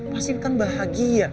pasti kan bahagia